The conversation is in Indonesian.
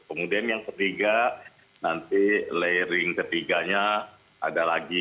kemudian yang ketiga nanti layering ketiganya ada lagi